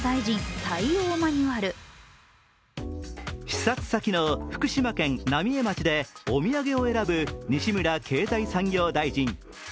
視察先の福島県浪江町でお土産を選ぶ西村経済産業大臣。